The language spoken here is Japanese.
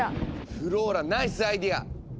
フローラナイスアイデア！